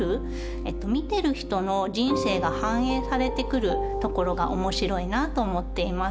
見てる人の人生が反映されてくるところが面白いなと思っています。